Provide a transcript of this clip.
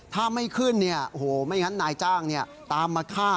ถ้าไม่ขึ้นไม่งั้นนายจ้างตามมาฆ่า